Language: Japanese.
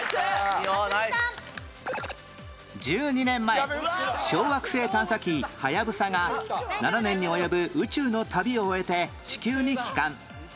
１２年前小惑星探査機はやぶさが７年に及ぶ宇宙の旅を終えて地球に帰還